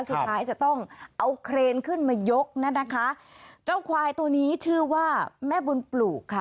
สุดท้ายจะต้องเอาเครนขึ้นมายกนั่นนะคะเจ้าควายตัวนี้ชื่อว่าแม่บุญปลูกค่ะ